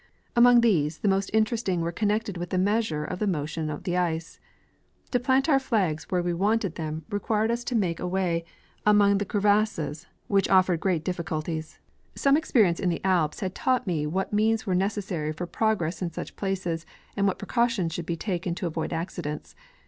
Among these the most interesting Avere con nected Avith the measure of the motion of the ice. To plant our flags Avhere Ave Avanted them required us to make a Avay among ^^^^" MefJtoch of Explwation. 23 the crevasses, which offered great difficulties. Some experience in the Alps had taught nie what means were necessary for pro gress in such places and what precautions should he taken to avoid accidents.